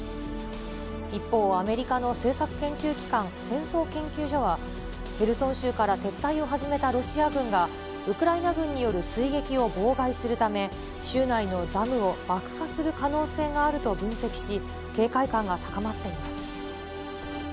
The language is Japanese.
一方、アメリカの政策研究機関、戦争研究所は、ヘルソン州から撤退を始めたロシア軍が、ウクライナ軍による追撃を妨害するため、州内のダムを爆破する可能性があると分析し、警戒感が高まっています。